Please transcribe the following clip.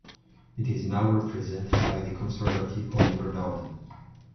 It is now represented by the Conservative, Oliver Dowden.